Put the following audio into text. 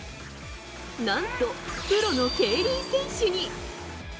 何とプロの競輪選手に。